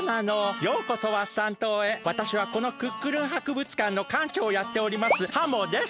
わたしはこのクックルンはくぶつかんのかんちょうをやっておりますハモです。